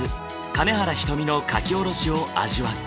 金原ひとみの書き下ろしを味わう。